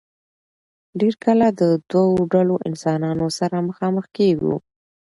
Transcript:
ډېر کله د دو ډلو انسانانو سره مخامخ کيږو